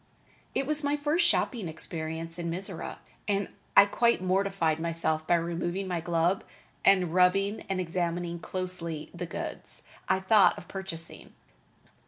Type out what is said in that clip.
It was my first shopping experience in Mizora, and I quite mortified myself by removing my glove and rubbing and examining closely the goods I thought of purchasing.